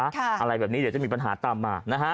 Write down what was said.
อะไรแบบนี้เดี๋ยวจะมีปัญหาตามมานะฮะ